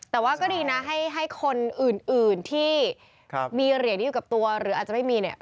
แต่ว่าก็ดีนะให้คนอื่นที่มีเหรียญนี้อยู่กับตัวหรืออาจจะไม่มีเนี่ย